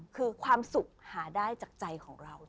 คือความสุขหาได้จากใจของเรา